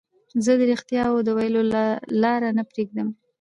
زه د رښتیاوو د ویلو لار نه پريږدم.